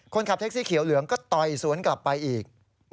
คนขับแท็กซี่เขียวเหลืองก็ต่อยสวนกลับไปอีก